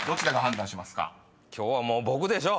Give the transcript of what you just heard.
今日はもう僕でしょ。